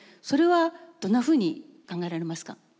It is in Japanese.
それはどんなふうに考えられますか。